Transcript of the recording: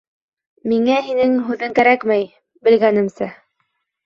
Миңә һинең һүҙең кәрәкмәй, белгәнемсә...